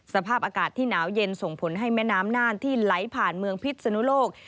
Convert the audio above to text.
สภาพอากาศที่หนาวเย็นส่งผลให้แม่น้ำน่านที่ไหลผ่านเมืองพิษนุโลก